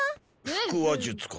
腹話術か。